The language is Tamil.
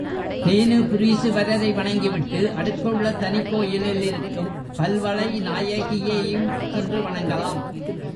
தேனுபுரீசுவரரை வணங்கிவிட்டு அடுத்துள்ள தனிக்கோயிலில் இருக்கும் பல்வளை நாயகியையும் சென்று வணங்கலாம்.